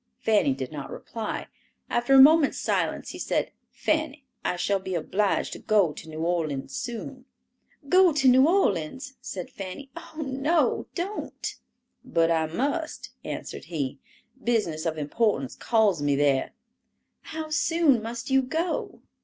Fanny did not reply; after a moment's silence he said, "Fanny, I shall be obliged to go to New Orleans soon." "Go to New Orleans," said Fanny. "Oh, no, don't." "But I must," answered he. "Business of importance calls me there." "How soon must you go?"